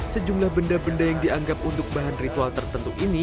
sejumlah benda benda yang dianggap untuk bahan ritual tertentu ini